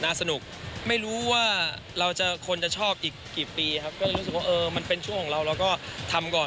สนุกไม่รู้ว่าเราจะคนจะชอบอีกกี่ปีครับก็เลยรู้สึกว่าเออมันเป็นช่วงของเราเราก็ทำก่อน